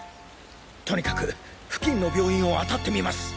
とにかく付近の病院をあたってみます！